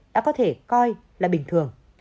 đã có thể coi là bình thường